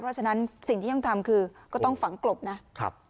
เพราะฉะนั้นสิ่งที่ต้องทำคือก็ต้องฝังกลบนะ